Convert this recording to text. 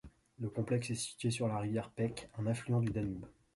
Le complexe est situé sur la rivière Pek, un affluent du Danube.